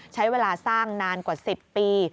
ใช้เวลาสร้างนานกว่า๑๐ปี